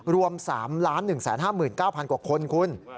รวม๓๑๕๙๐๐กว่าคนคุณ